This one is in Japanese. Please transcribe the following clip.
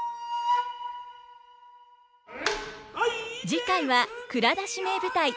次回は「蔵出し！名舞台」。